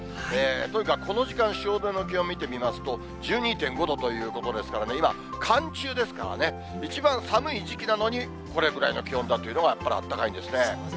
というか、この時間、汐留の気温見てみますと、１２．５度ということですからね、今、寒中ですからね、一番寒い時期なのに、これぐらいの気温だというのが、やっぱりあったかいですね。